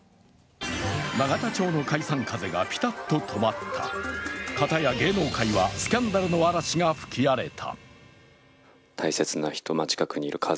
永田町の解散風がピタッと止まった、片や芸能界はスキャンダルの嵐が吹き荒れた。